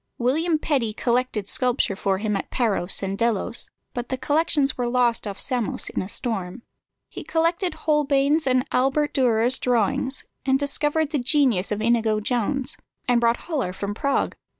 William Petty collected sculpture for him at Paros and Delos, but the collections were lost off Samos in a storm. He collected Holbein's and Albert Dürer's drawings, discovered the genius of Inigo Jones, and brought Hollar from Prague.